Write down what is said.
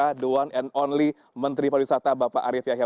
the one and only menteri pariwisata bapak arya fiahia